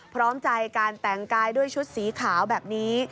พร้อมใจการแต่งกายด้วยชุดสีขาวแบบนี้